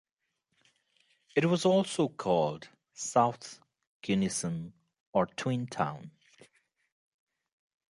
It was also called South Gunnison or Twin Town.